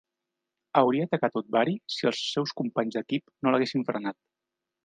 Hauria atacat Udvari si els seus companys d'equip no l'haguessin frenat.